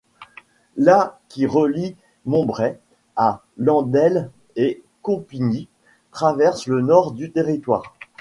La qui relie Montbray à Landelles-et-Coupigny traverse le nord du territoire.